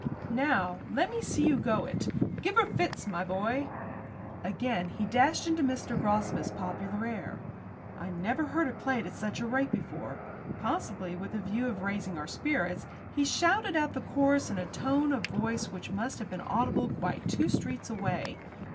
"Now let me see you go it. Give her fits, my boy." Again he dashed into Mr. Grossmith's popular air. I never heard it played at such a rate before. Possibly with a view of raising our spirits, he shouted out the chorus in a tone of voice which must have been audible quite two streets away.